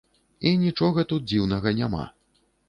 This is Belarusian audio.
І нічога тут дзіўнага няма.